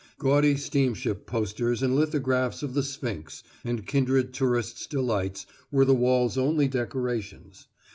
Gaudy steamship posters and lithographs of the Sphinx and kindred tourists' delights were the walls' only decorations.